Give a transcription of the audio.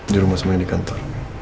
di rumah semuanya di kantor